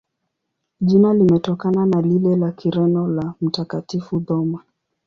Jina limetokana na lile la Kireno la Mtakatifu Thoma.